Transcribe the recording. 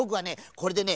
これでね